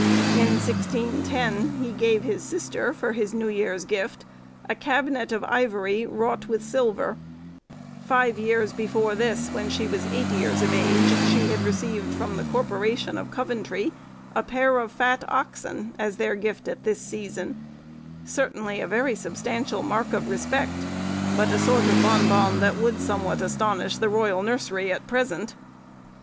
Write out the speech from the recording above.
In 1610, he gave his sister, for his New Year's Gift, a cabinet of ivory, wrought with silver; five years before this, when she was eight years of age, she had received from the corporation of Coventry a pair of fat oxen, as their gift at this season; certainly a very substantial mark of respect, but a sort of bon bon that would somewhat astonish the royal nursery at present.